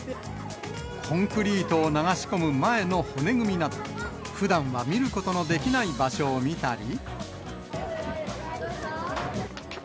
コンクリートを流し込む前の骨組みなど、ふだんは見ることのできない場所を見たり。